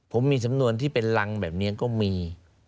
ผมมีสำนวนที่เป็นรังแบบนี้ก็มี